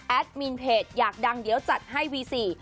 มินเพจอยากดังเดี๋ยวจัดให้วีสี่